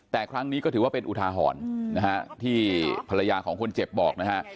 แต่ครั้งนี้ก็ถือว่าเป็นอุทาหรณ์นะฮะที่ภรรยาของคนเจ็บบอกนะฮะ